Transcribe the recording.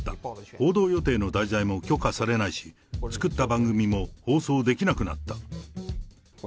報道予定の題材も許可されないし、作った番組も放送できなくなった。